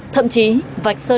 thậm chí vạch sơ